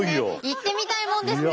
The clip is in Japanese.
言ってみたいもんですね。